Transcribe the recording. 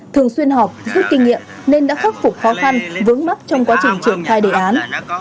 thường xuyên họp rút kinh nghiệm nên đã khắc phục khó khăn vướng mắt trong quá trình triển khai đề án